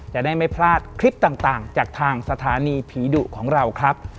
จะได้ไม่พลาดคลิปต่างจากทางสถานีผีดุของเราครับ